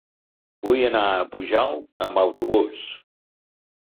Vull anar a Pujalt amb autobús.